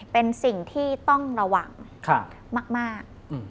เป็นสิ่งที่ต้องระวังมาก